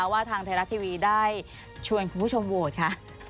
ว่าทางไทยรัฐทีวีได้ชวนคุณผู้ชมโหวตค่ะ